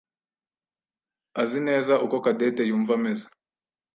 azi neza uko Cadette yumva ameze.